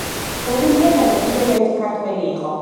ოლიმპიადაზე კიდევ ერთი ქართველი იყო.